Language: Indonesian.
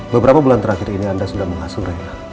beberapa bulan terakhir ini anda sudah mengasuh mereka